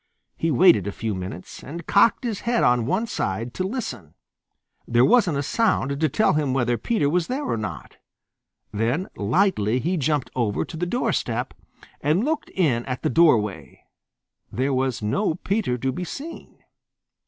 He waited a few minutes and cocked his head on one side to listen. There wasn't a sound to tell him whether Peter was there or not. Then lightly he jumped over to the doorstep and looked in at the doorway. There was no Peter to be seen.